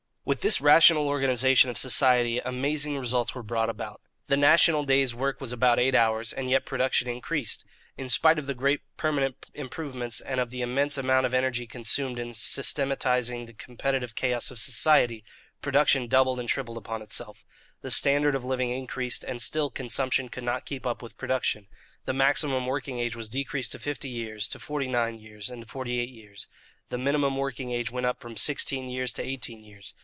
With this rational organization of society amazing results were brought about. The national day's work was eight hours, and yet production increased. In spite of the great permanent improvements and of the immense amount of energy consumed in systematizing the competitive chaos of society, production doubled and tripled upon itself. The standard of living increased, and still consumption could not keep up with production. The maximum working age was decreased to fifty years, to forty nine years, and to forty eight years. The minimum working age went up from sixteen years to eighteen years.